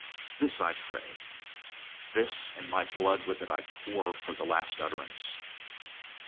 This I pray; this and my blood with it I pour for the last utterance.